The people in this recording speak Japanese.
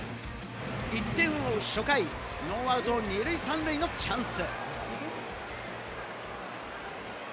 １点を追う初回、ノーアウト２塁３塁のチャンス。